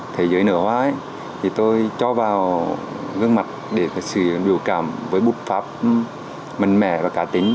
thì tôi cho vào gương mặt để có sự biểu cảm với bút pháp mạnh mẽ và cá tính